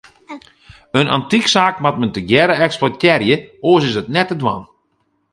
In antyksaak moat men tegearre eksploitearje, oars is it net te dwaan.